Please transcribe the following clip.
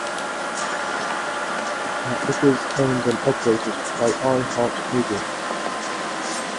It is owned and operated by iHeartMedia.